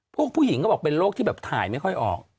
ผู้หญิงก็บอกเป็นโรคที่แบบถ่ายไม่ค่อยออก